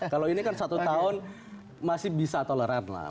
kalau ini kan satu tahun masih bisa toleran lah